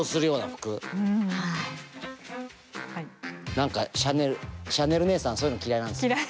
何かシャネルねえさんそういうの嫌いなんですよ。